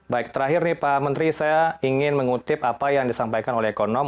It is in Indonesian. baik terakhir nih pak menteri saya ingin mengutip apa yang disampaikan oleh ekonom